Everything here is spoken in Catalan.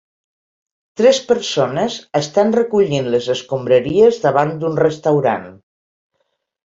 tres persones estan recollint les escombraries davant d'un restaurant